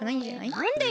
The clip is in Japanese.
なんでよ？